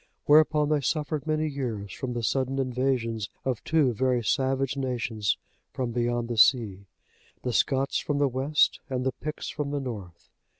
Whereupon they suffered many years from the sudden invasions of two very savage nations from beyond the sea, the Scots from the west, and the Picts from the north.